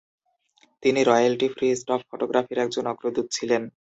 তিনি royalty free stock ফটোগ্রাফির একজন অগ্রদূত ছিলেন।